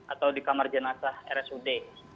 atau di kamar jenazah rsud